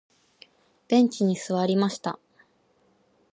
ベンチに座りました。